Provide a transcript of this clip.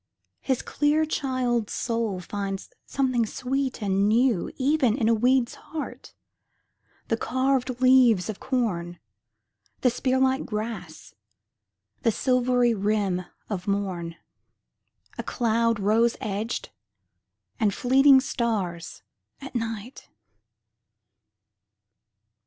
His clear child's soul finds something sweet and newEven in a weed's heart, the carved leaves of corn, The spear like grass, the silvery rim of morn,A cloud rose edged, and fleeting stars at night!